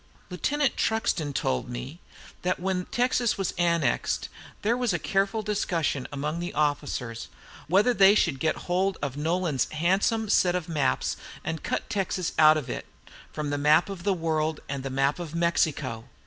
Lieutenant Truxton told me that, when Texas was annexed, there was a careful discussion among the officers, whether they should get hold of Nolan's handsome set of maps and cut Texas out of it, from the map of the world and the map of Mexico.